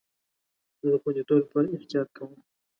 زه د خوندیتوب لپاره احتیاط کوم.